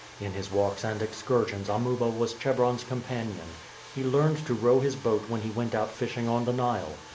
In his walks and excursions Amuba was Chebron's companion. He learned to row his boat when he went out fishing on the Nile.